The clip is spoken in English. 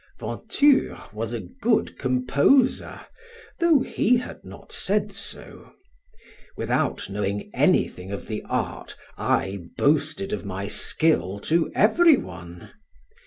Venture was a good composer, though he had not said so; without knowing anything of the art, I boasted of my skill to every one.